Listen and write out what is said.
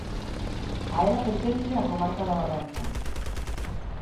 A ela pertence a comarca da Barbanza.